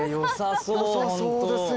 よさそうですよ。